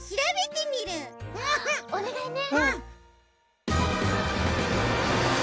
おねがいね。